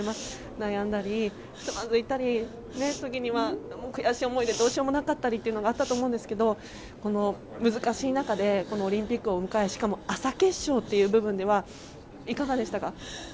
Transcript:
悩んだり、つまずいたり時には悔しい思いでどうしようもなかったりというのがあったと思うんですけどこの難しい中でこのオリンピックを迎えしかも、朝決勝という部分ではいかがでしたか？